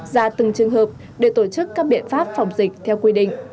ra từng trường hợp để tổ chức các biện pháp phòng dịch theo quy định